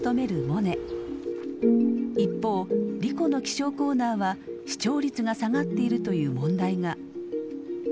一方莉子の気象コーナーは視聴率が下がっているという問題が。